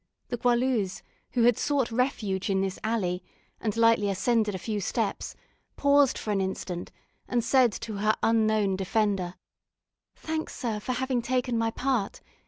The Goualeuse, who had sought refuge in this alley, and lightly ascended a few steps, paused for an instant, and said to her unknown defender, "Thanks, sir, for having taken my part.